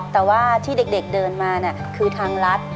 แต่ว่าที่เด็กเดินมาคือทางรัฐ